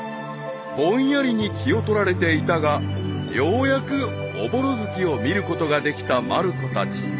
［ぼんやりに気を取られていたがようやく朧月を見ることができたまる子たち］